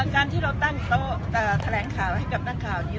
การที่เราตั้งโต๊ะแถลงข่าวให้กับนักข่าวนี้